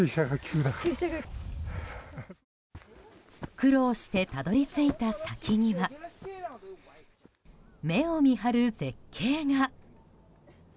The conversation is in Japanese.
苦労してたどり着いた先には目を見張る絶景が。